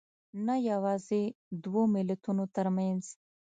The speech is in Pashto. نه یوازې دوو ملتونو تر منځ